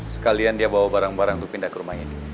sekalian dia bawa barang barang untuk pindah ke rumah ini